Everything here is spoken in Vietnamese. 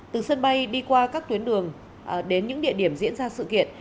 từ sân bay đi qua các tuyến đường đến những địa điểm diễn ra sự kiện